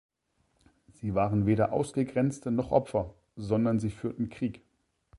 Sie waren weder Ausgegrenzte noch Opfer, sondern sie führten Krieg!